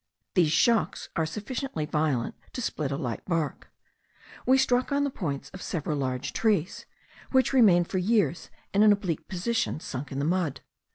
These shocks are sufficiently violent to split a light bark. We struck on the points of several large trees, which remain for years in an oblique position, sunk in the mud.